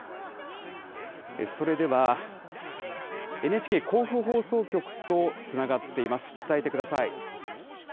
それではＮＨＫ甲府放送局とつながっています。